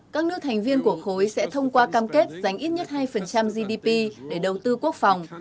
các nước thành viên của khối sẽ thông qua cam kết dành ít nhất hai gdp để đầu tư quốc phòng